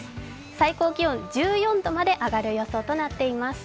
最高気温、１４度まで上がる予想となっています。